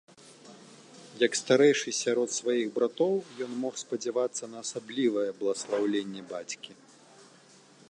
Як старэйшы сярод сваіх братоў, ён мог спадзявацца на асаблівае бласлаўленне бацькі.